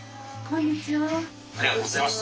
こんにちは。